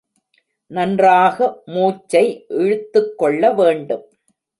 நன்றாக மூச்சை இழுத்துக் கொள்ள வேண்டும்.